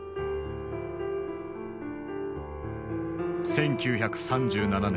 １９３７年。